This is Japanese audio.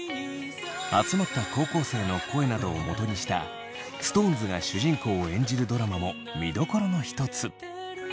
集まった高校生の声などをもとにしたＳｉｘＴＯＮＥＳが主人公を演じるドラマも見どころの一つ。